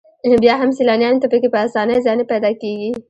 بیا هم سیلانیانو ته په کې په اسانۍ ځای نه پیدا کېږي.